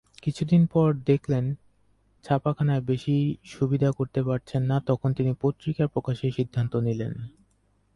কিছুদিন পর যখন দেখলেন ছাপাখানায় বেশি সুবিধা করতে পারছেন না তখন তিনি পত্রিকা প্রকাশের সিদ্ধান্ত নিলেন।